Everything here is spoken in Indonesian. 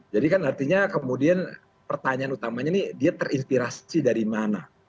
jadi kan artinya kemudian pertanyaan utamanya nih dia terinspirasi dari mana